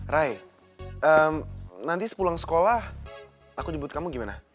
ray nanti sepulang sekolah aku nyebut kamu gimana